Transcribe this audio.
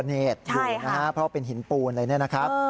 เพราะว่าเป็นหินปูนเลยนะครับ